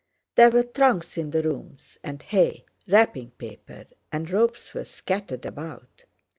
There were trunks in the rooms, and hay, wrapping paper, and ropes were scattered about.